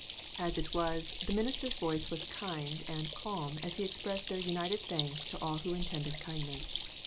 J. S. R. 413 As it was, the minister's voice was kind and calm as he expressed their united thanks to all who intended kindness.